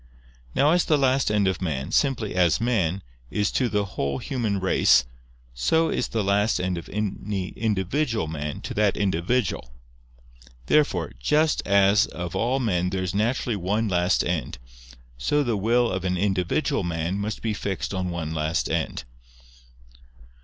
Now as the last end of man, simply as man, is to the whole human race, so is the last end of any individual man to that individual. Therefore, just as of all men there is naturally one last end, so the will of an individual man must be fixed on one last end.